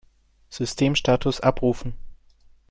Systemstatus abrufen!